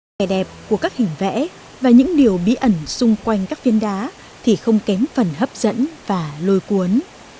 vẻ đẹp của các hình vẽ và những điều bí ẩn xung quanh các viên đá thì không kém phần hấp dẫn và lôi cuốn